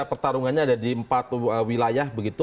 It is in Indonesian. pertarungannya ada di empat wilayah begitu